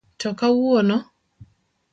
To kawuono?